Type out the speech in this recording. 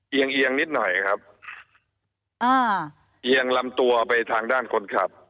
เอียงนิดหน่อยครับอ่าเอียงลำตัวไปทางด้านคนขับ